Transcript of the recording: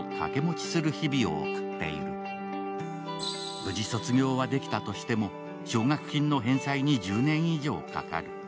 無事卒業はできたとしても奨学金の返済に１０年以上かかる。